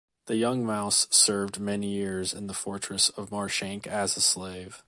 The young mouse served many years in the fortress of Marshank as a slave.